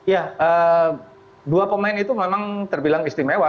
ya dua pemain itu memang terbilang istimewa